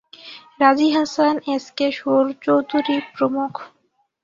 রাজি Hasan, S K Sur Chowdhury প্রমুখ।